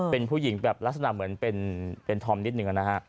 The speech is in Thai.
เป็นผู้หญิงแบบลักษณะเหมือนเป็นธอมนิดหนึ่งนะฮะ